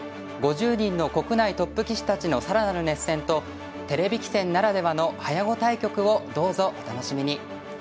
５０人の国内トップ棋士たちの更なる熱戦とテレビ棋戦ならではの早碁対局をどうぞお楽しみに。